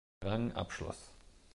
Rang abschloss.